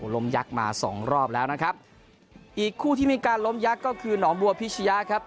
ล้มยักษ์มาสองรอบแล้วนะครับอีกคู่ที่มีการล้มยักษ์ก็คือหนองบัวพิชยะครับ